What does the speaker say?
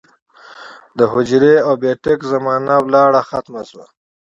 د حجرې او بېټک زمانه لاړه ختمه شوه